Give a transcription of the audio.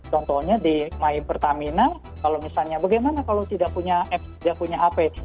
contohnya di my pertamina kalau misalnya bagaimana kalau tidak punya apps tidak punya ap